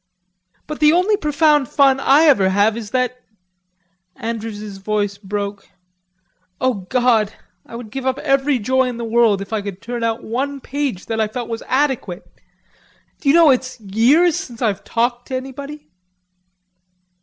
"But the only profound fun I ever have is that..." Andrews's voice broke. "O God, I would give up every joy in the world if I could turn out one page that I felt was adequate.... D'you know it's years since I've talked to anybody?"